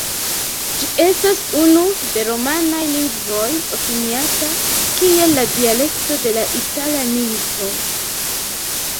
Ĝi estas unu de romanaj lingvoj opiniata kiel la dialekto de la itala lingvo.